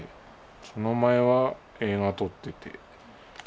その前は映画撮ってて。